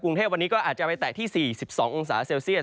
กรุงเทพวันนี้ก็อาจจะไปแตะที่๔๒องศาเซลเซียต